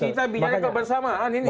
kita bicara kebersamaan ini